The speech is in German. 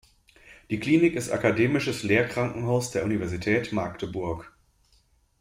Die Klinik ist akademisches Lehrkrankenhaus der Universität Magdeburg.